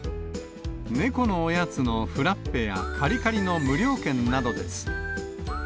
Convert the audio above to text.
猫のおやつのフラッペやカリカリの無料券などです。